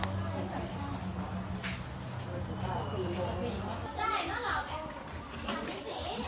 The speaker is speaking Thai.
น้องชัดอ่อนชุดแรกก็จะเป็นตัวที่สุดท้าย